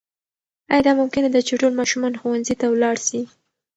آیا دا ممکنه ده چې ټول ماشومان ښوونځي ته ولاړ سي؟